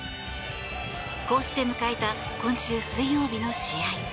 こうして迎えた今週水曜日の試合。